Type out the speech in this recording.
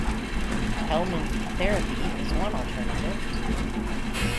Helminth therapy is one alternative.